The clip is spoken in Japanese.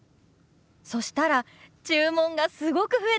そしたら注文がすごく増えたんですよ。